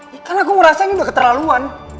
ya kan aku ngerasain udah keterlaluan